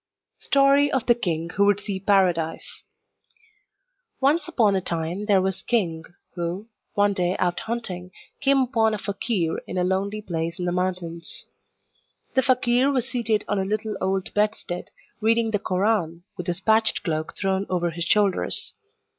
Story of the King Who Would See Paradise Once upon a time there was king who, one day out hunting, came upon a fakeer in a lonely place in the mountains. The fakeer was seated on a little old bedstead reading the Koran, with his patched cloak thrown over his shoulders.